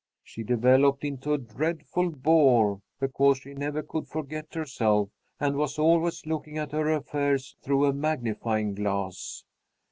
She developed into a dreadful bore, because she never could forget herself, and was always looking at her affairs through a magnifying glass.